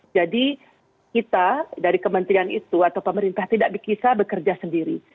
jadi kita dari kementerian itu atau pemerintah tidak bisa bekerja sendiri